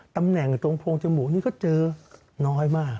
ตำแหน่งตรงโพงจมูกนี่ก็เจอน้อยมาก